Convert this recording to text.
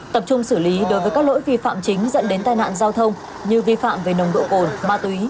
tập trung xử lý đối với các lỗi vi phạm chính dẫn đến tai nạn giao thông như vi phạm về nồng độ cồn ma túy